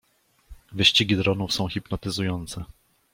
Wyścigi dronów są hipnotyzujące.